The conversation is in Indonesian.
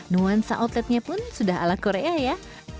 nuansa outletnya pun sudah ala korea ya